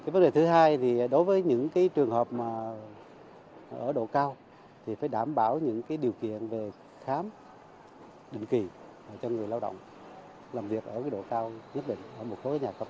vấn đề thứ hai đối với những trường hợp ở độ cao thì phải đảm bảo những điều kiện về khám định kỳ cho người lao động làm việc ở độ cao nhất định ở một số nhà cấp